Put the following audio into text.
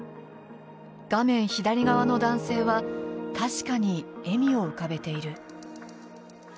画面左側の男性は確かに笑みを浮かべている。